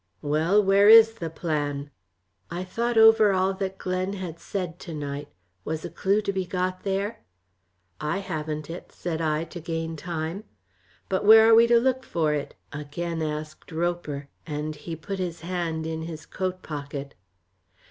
"Well, where is the plan?" I thought over all that Glen had said to night was a clue to be got there? "I haven't it," said I, to gain time. "But where are we to look for it?" again asked Roper, and he put his hand in his coat pocket.